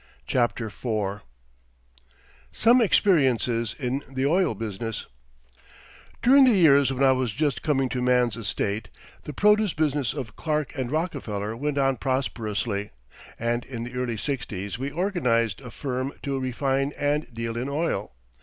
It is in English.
CHAPTER IV SOME EXPERIENCES IN THE OIL BUSINESS During the years when I was just coming to man's estate, the produce business of Clark & Rockefeller went on prosperously, and in the early sixties we organized a firm to refine and deal in oil.